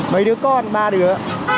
mấy đứa con ba đứa